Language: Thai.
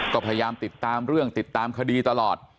ก็พยายามติดตามเรื่องติดตามคดีตลอด